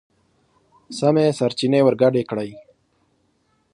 سمې سرچينې ورګډې کړئ!.